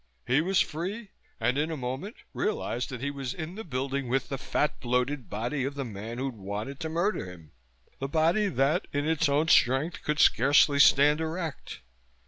He was free and, in a moment, realized that he was in the building with the fat bloated body of the man who wanted to murder him, the body that in its own strength could scarcely stand erect.